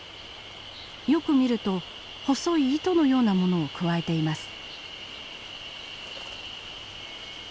よく見ると細い糸のようなものをくわえています。